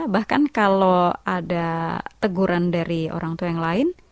bahkan kalau ada teguran dari orang tua yang lain